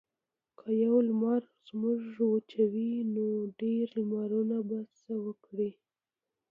که یو لمر موږ وچوي نو ډیر لمرونه به څه وکړي.